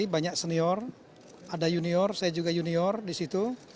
banyak senior ada junior saya juga junior di situ